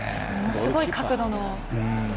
ものすごい角度の。